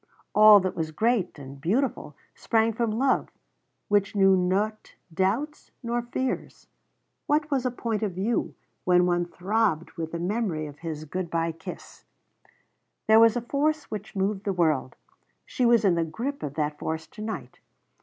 All that was great and beautiful sprang from love which knew not doubts nor fears. What was a "point of view" when one throbbed with the memory of his good bye kiss! There was a force which moved the world. She was in the grip of that force to night.